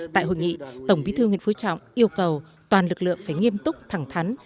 tại hội nghị tổng bí thư nguyễn phú trọng yêu cầu toàn lực lượng phải nghiêm túc thẳng thắn